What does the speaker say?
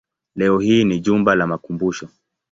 Leo hii ni jumba la makumbusho.